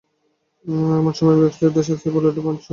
এমন সময় বেঙ্কট শাস্ত্রী বলে উঠল, পঞ্চাক্ষরকং।